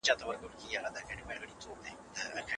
د کړکۍ ښیښه د باد په واسطه لږه وښورېده.